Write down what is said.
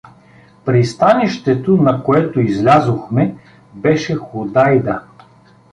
Пристанището, на което излязохме, беше Худайда.